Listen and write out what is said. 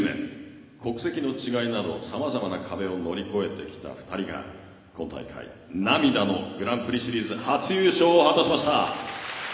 国籍の違いなど、さまざまな壁を乗り越えてきた２人が今大会、涙のグランプリシリーズ初優勝を果たしました。